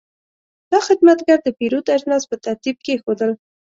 دا خدمتګر د پیرود اجناس په ترتیب کېښودل.